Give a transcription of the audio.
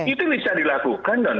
itu bisa dilakukan